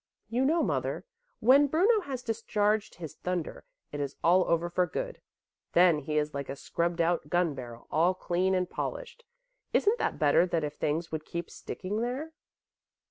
"You know, mother, when Bruno has discharged his thunder, it is all over for good. Then he is like a scrubbed out gun barrel, all clean and polished. Isn't that better than if things would keep sticking there?"